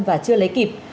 và chưa lấy kịp